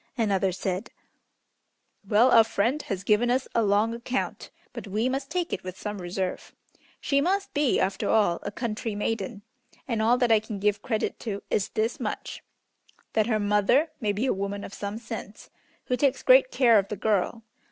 Another said, "Well, our friend has given us a long account, but we must take it with some reserve. She must be, after all, a country maiden, and all that I can give credit to is this much: that her mother may be a woman of some sense, who takes great care of the girl.